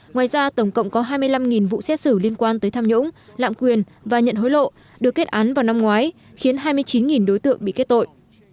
ngoài ra tổng cộng có hai mươi năm vụ xét xử liên quan tới tham nhũng lạm quyền và nhận hối lộ được kết án vào năm ngoái khiến hai mươi chín đối tượng bị kết tội